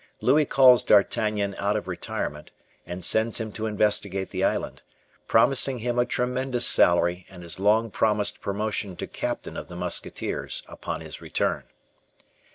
Louis calls D'Artagnan out of retirement and sends him to investigate the island, promising him a tremendous salary and his long promised promotion to captain of the musketeers upon his return.